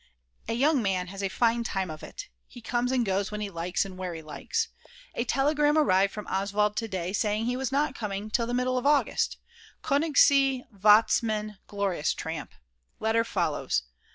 A young man has a fine time of it. He comes and goes when he likes and where he likes. A telegram arrived from Oswald to day, saying he was not coming till the middle of August: Konigsee, Watzmann, glorious tramp. Letter follows.